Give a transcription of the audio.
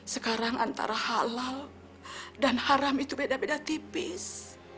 sekarang antara halal dan haram itu beda beda tipis